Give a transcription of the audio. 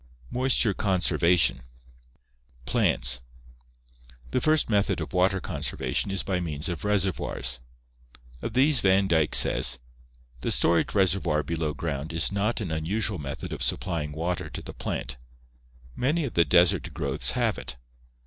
Moisture Conservation Plants. — The first method of water conservation is by means of reservoirs. Of these Van Dyke says: "The storage reservoir be low ground is not an unusual method of supplying water to the plant. Many of the desert growths have it.